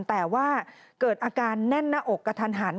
แต่ว่าเกิดอาการแน่นหน้าอกกระทันหัน